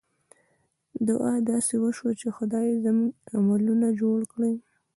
دعا داسې وشوه چې خدایه! زموږ عملونه جوړ کړې.